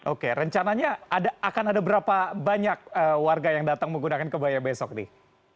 oke rencananya akan ada berapa banyak warga yang datang menggunakan kebaya besok nih